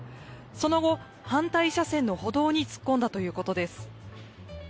その後、反対車線の歩道に突っ込んだということです。